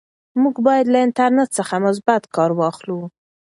موږ باید له انټرنیټ څخه مثبت کار واخلو.